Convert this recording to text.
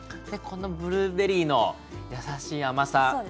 このブルーベリーのやさしい甘さ。